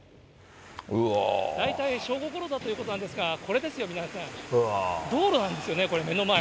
大体、正午ごろだということなんですが、これですよ、宮根さん、道路なんですよね、これ、目の前。